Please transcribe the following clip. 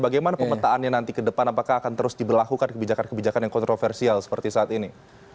bagaimana pemetaannya nanti ke depan apakah akan terus diberlakukan kebijakan kebijakan yang kontroversial seperti saat ini